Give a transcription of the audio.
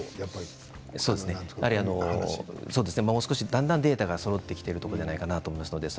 だんだんデータがそろってきているところではないかと思います。